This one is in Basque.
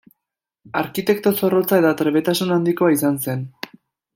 Arkitekto zorrotza eta trebetasun handikoa izan zen.